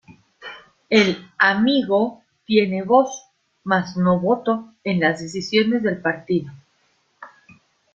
El "amigo" tiene voz, mas no voto, en las decisiones del partido.